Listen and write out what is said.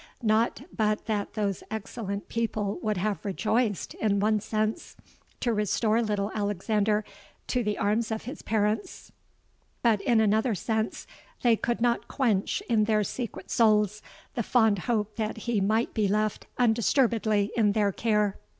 Not but that those excellent people would have rejoiced, in one sense, to restore little Alexander to the arms of his parents; but in another sense they could not quench in their secret souls the fond hope that he might be left undisturbedly in their care.